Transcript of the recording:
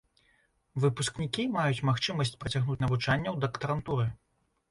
Выпускнікі маюць магчымасць працягнуць навучанне ў дактарантуры.